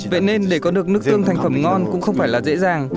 vậy nên để có được nước tương thành phẩm ngon cũng không phải là dễ dàng